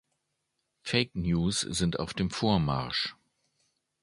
Fake News sind auf dem Vormarsch.